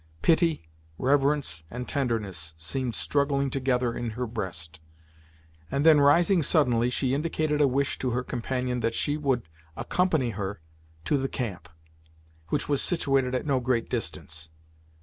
Pity, reverence and tenderness seemed struggling together in her breast, and then rising suddenly, she indicated a wish to her companion that she would accompany her to the camp, which was situated at no great distance.